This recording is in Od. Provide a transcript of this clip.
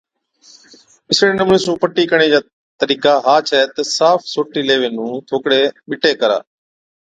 اِسڙي نمُوني سُون پٽِي ڪرڻي چا طرِيقا ها ڇَي تہ صاف سوٽرِي ليوي نُون ٿوڪڙَي ٻِٽَي ڪرا